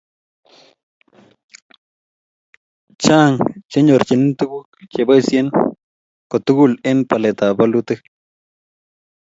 chang chenyorchini tuguk cheboisien kotugul eng balekab bolutik